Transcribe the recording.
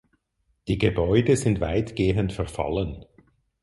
Die Gebäude sind weitgehend verfallen.